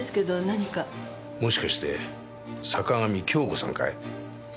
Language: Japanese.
もしかして坂上恭子さんかい？